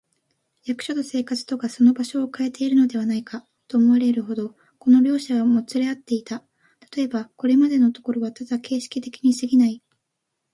役所と生活とがその場所をかえているのではないか、と思われるほど、この両者はもつれ合っていた。たとえば、これまでのところはただ形式的にすぎない、